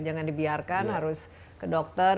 jangan dibiarkan harus ke dokter